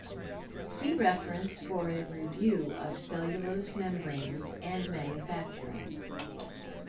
See reference for a review of cellulose membranes and manufacturing.